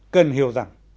cần hiểu rằng